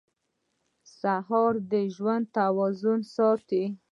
سهار د ژوند توازن ساتي.